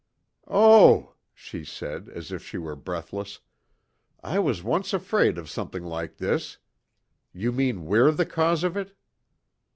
"Oh!" she said, as if she were breathless, "I was once afraid of something like this. You mean we're the cause of it?"